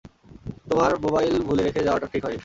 তোমার মোবাইল ভুলে রেখে যাওয়াটা ঠিক হয়নি।